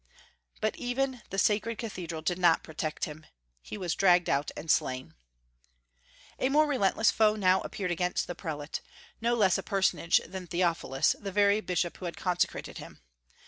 But even the sacred cathedral did not protect him. He was dragged out and slain. A more relentless foe now appeared against the prelate, no less a personage than Theophilus, the very bishop who had consecrated him.